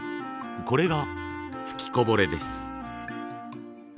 これが噴きこぼれです。